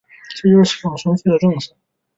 这就是休养生息的政策。